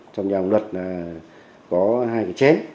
trong nhà ông luật là có hai cái chén